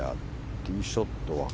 ティーショットは。